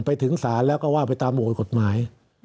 ไปถึงศาลแล้วก็ว่าไปตามหวยกฎหมาย